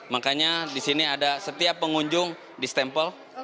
makanya di sini ada setiap pengunjung di stempel